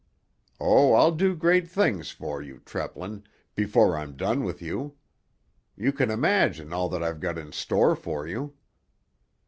Oh, I'll do great things for you, Treplin, before I'm done with you! You can imagine all that I've got in store for you."